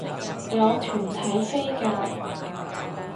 有團體飛價